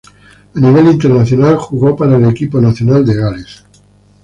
A nivel internacional, jugó para el equipo nacional de Gales.